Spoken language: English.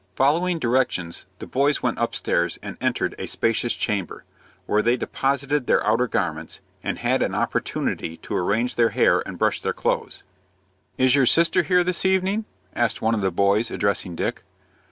Following directions, the boys went upstairs and entered a spacious chamber, where they deposited their outer garments, and had an opportunity to arrange their hair and brush their clothes. "Is your sister here this evening?" asked one of the boys, addressing Dick.